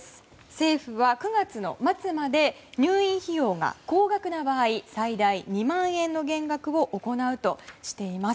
政府は９月末まで入院費用が高額な場合最大２万円の減額を行うとしています。